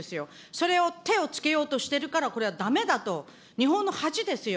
それを手をつけようとしているからこれはだめだと、日本の恥ですよ。